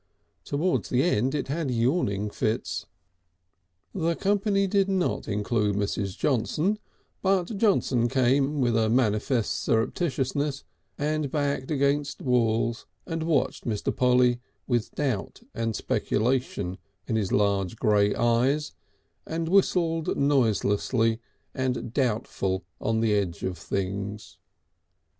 Towards the end it had yawning fits. The company did not include Mrs. Johnson, but Johnson came with a manifest surreptitiousness and backed against walls and watched Mr. Polly with doubt and speculation in his large grey eyes and whistled noiselessly and doubtful on the edge of things.